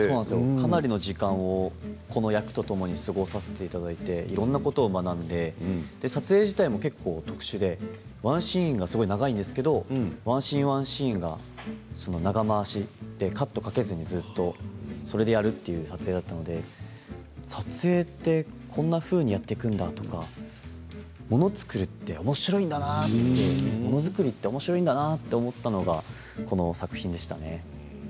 かなりの時間をこの役とともに過ごさせていただいていろいろ学んで撮影自体も、結構特殊でワンシーンがすごく長いんですけどワンシーンワンシーンが長回しで、カットかけずにずっとそれでやるという撮影だったので撮影ってこんなふうにやっていくんだとかもの作るっておもしろいんだなってものづくりっておもしろいんだなと思ったのはこの作品でしたね。